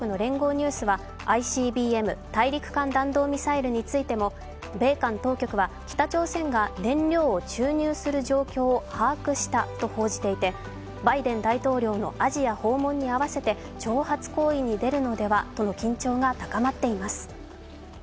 ニュースはＩＣＢＭ＝大陸間弾道ミサイルについても米韓当局は北朝鮮が燃料を注入する状況を把握したと報じていてバイデン大統領のアジア訪問にあわせて挑発行為に出るのではとの緊張が高まっています。